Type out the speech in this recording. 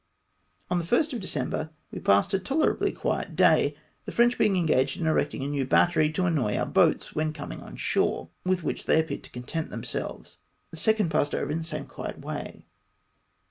HEAVY GALE OF WIND. 313 On the 1st of December we passed a tolerably quiet day, tlie French being engaged in erectmg a new battery, to annoy our boats when coiidng on shore, with which they appeared to content themselves. The 2nd passed over in the same quiet way.